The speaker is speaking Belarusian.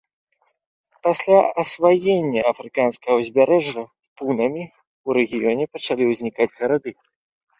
Пасля асваення афрыканскага ўзбярэжжа пунамі ў рэгіёне пачалі ўзнікаць гарады.